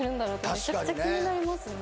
めちゃくちゃ気になりますよね